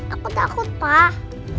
aku takut pak